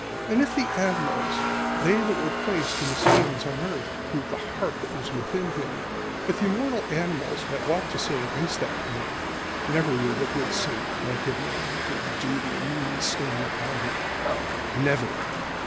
"And if the animals they that were placed in his hands on earth to prove the heart that was in him if the immortal animals have aught to say against that man never will the good Saint let him in, with his dirty, mean stain upon him. Never.